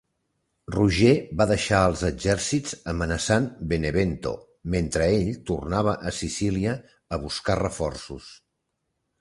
Roger va deixar els exèrcits amenaçant Benevento mentre ell tornava a Sicília a buscar reforços.